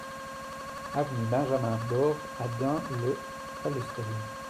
Avenue Benjamin Bord à Dun-le-Palestel